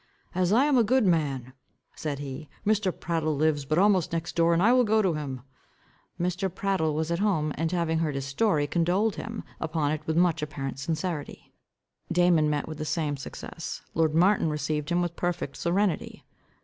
"As I am a good man," said he, "Mr. Prattle lives but almost next door, and I will go to him." Mr. Prattle was at home, and having heard his story, condoled with him upon it with much apparent sincerity. Damon met with the same success. Lord Martin received him with perfect serenity.